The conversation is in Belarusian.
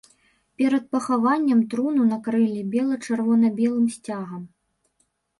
Перад пахаваннем труну накрылі бела-чырвона-белым сцягам.